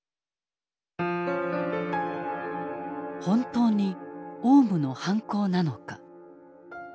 本当にオウムの犯行なのか。